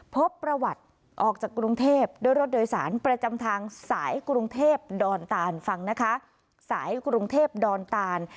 พบประวัติออกจากกรุงเทพด้วยรถโดยสารประจำทางสายกรุงเทพดตาน